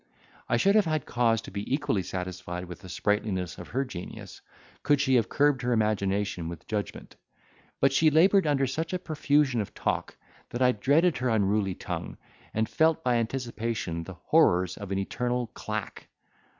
I should have had cause to be equally satisfied with the sprightliness of her genius, could she have curbed her imagination with judgment; but she laboured under such a profusion of talk, that I dreaded her unruly tongue, and felt by anticipation the horrors of an eternal clack!